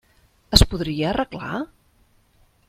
Es podria arreglar?